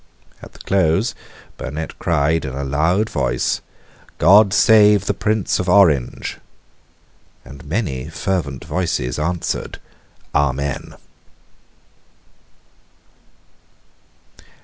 At the close Burnet cried in a loud voice, "God save the Prince of Orange!" and many fervent voices answered, "Amen."